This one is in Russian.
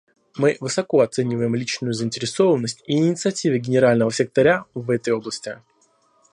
Мы высоко оцениваем личную заинтересованность и инициативы Генерального секретаря в этой области.